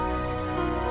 kalau kamu kan enggak